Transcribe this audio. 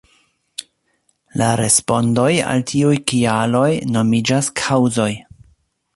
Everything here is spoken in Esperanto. La respondoj al tiuj kialoj nomiĝas “kaŭzoj”.